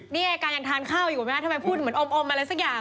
นี่อายการยังทานข้าวอยู่ไหมฮะทำไมพูดเหมือนอมอะไรสักอย่าง